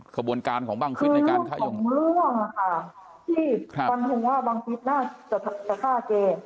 ขบวนการของบางฟิศในการค่ายงคือของเรื่องค่ะที่บางฟิศน่าจะฆ่าเก